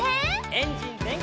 エンジンぜんかい！